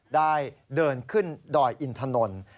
ได้เดินขึ้นดอยอินถนน